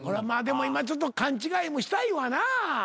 まあでも今ちょっと勘違いもしたいわなぁ。